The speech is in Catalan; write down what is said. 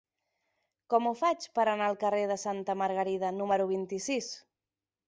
Com ho faig per anar al carrer de Santa Margarida número vint-i-sis?